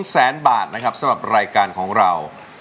แสนบาทนะครับสำหรับรายการของเรา